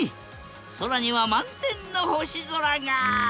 空には満天の星空が！